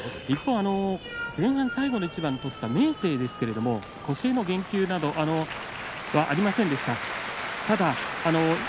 一方、前半最後の一番を取った明生ですが星への言及はありませんでした。